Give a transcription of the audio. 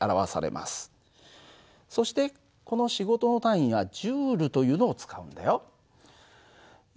そしてこの仕事の単位はＪというのを使うんだよ。